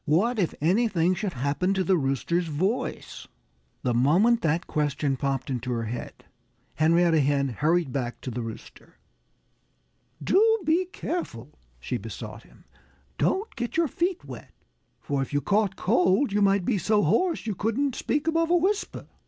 What if anything should happen to the Rooster's voice? The moment that question popped into her head, Henrietta Hen hurried back to the Rooster. "Do be careful!" she besought him. "Don't get your feet wet! For if you caught cold you might be so hoarse that you couldn't speak above a whisper."